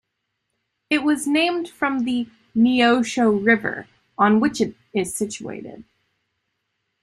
It was named from the Neosho River, on which it is situated.